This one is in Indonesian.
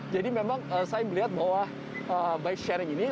jadi memang saya melihat bahwa bike sharing ini